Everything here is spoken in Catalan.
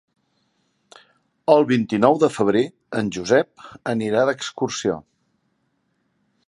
El vint-i-nou de febrer en Josep anirà d'excursió.